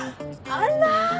あら！